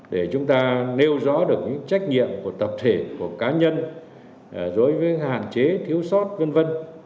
để chúng ta nêu rõ được những trách nhiệm của tập thể của cá nhân đối với hạn chế thiếu sót v v